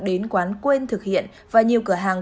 đến quán quên thực hiện và nhiều cửa hàng